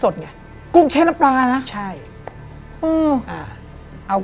ถูก